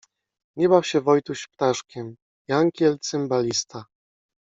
Nie baw się Wojtuś ptaszkiem. Jankiel cymbalista